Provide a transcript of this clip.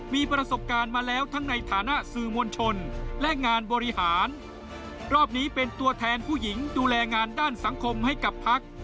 มีประสบการณ์มาแล้วทั้งในฐานะสื่อมวลชนและงานบริหารรอบนี้เป็นตัวแทนผู้หญิงดูแลงานด้านสังคมให้กับพัก